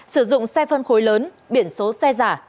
sử dụng xe phân khối lớn biển số xe giả